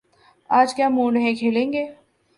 آج کیا موڈ ہے، کھیلیں گے؟